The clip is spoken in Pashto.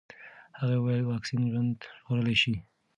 هغې وویل واکسین ژوند ژغورلی شي.